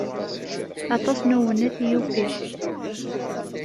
Aṭas n uwennet i ufiɣ.